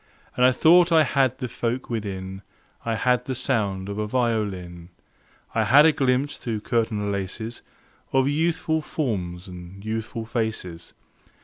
And I thought I had the folk within: I had the sound of a violin; I had a glimpse through curtain laces Of youthful forms and youthful faces.